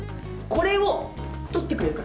これを取ってくれるかしら？